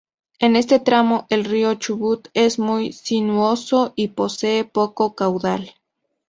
En este tramo el río Chubut, es muy sinuoso y posee poco caudal.